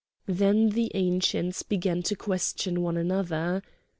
Then the Ancients began to question one another.